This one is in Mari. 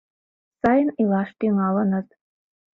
Сайын илаш тӱҥалыныт.